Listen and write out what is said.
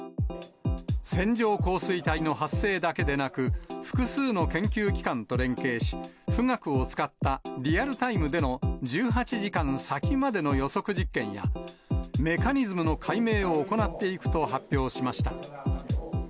線状降水帯の発生だけでなく、複数の研究機関と連携し、富岳を使ったリアルタイムでの１８時間先までの予測実験や、メカニズムの解明を行っていくと発表しました。